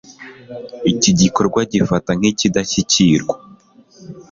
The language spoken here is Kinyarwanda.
Iki gikorwa gifatwa nk'ikidashyikirwa